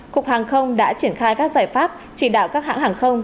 cục hàng không đã triển khai các giải pháp chỉ đạo các hãng hàng không